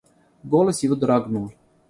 Голос его дрогнул.